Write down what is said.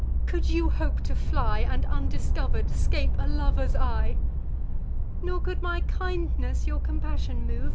could you hope to fly, And undiscover'd scape a lover's eye? Nor could my kindness your compassion move.